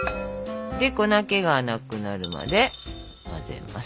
で粉けがなくなるまで混ぜますと。